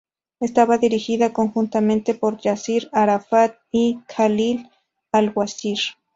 Estaba dirigida conjuntamente por Yasir Arafat y Khalil al-Wazir.